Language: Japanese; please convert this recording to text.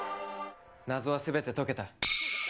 謎はすべて解けた。